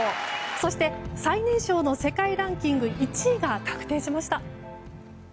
そして最年少の世界ランキング１位が確定しました。